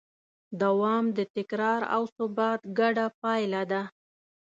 دوام د تکرار او ثبات ګډه پایله ده.